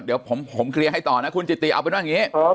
เดี๋ยวผมเคลียร์ให้ต่อนะคุณจิติเอาเป็นว่าอย่างนี้